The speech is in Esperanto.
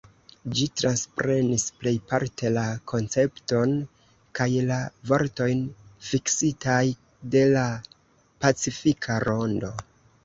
Ĝi transprenis plejparte la koncepton kaj la vortojn fiksitaj de la pacifika rondo.